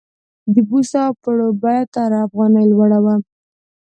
د بوسو او پړو بیه تر افغانۍ لوړه وه.